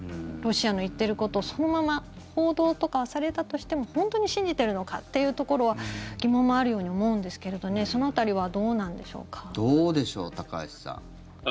ロシアの言っていることをそのまま報道とかはされたとしても本当に信じているのかっていうところは疑問もあるように思うんですけれどねどうでしょう、高橋さん。